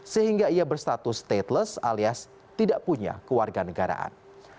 sehingga ia berstatus stateless alias tidak punya keluarga negaraan